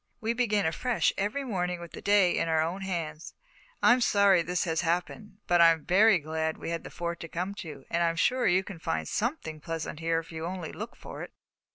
We begin afresh every morning with the day in our own hands. I'm sorry this has happened; but I'm very glad we had the Fort to come to, and I am sure you can find something pleasant here if you only look for it."